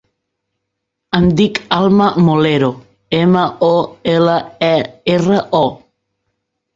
Em dic Alma Molero: ema, o, ela, e, erra, o.